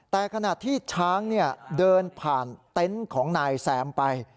แต่ขณะที่ช้างเดินผ่านเต็นต์ของนายแซมไป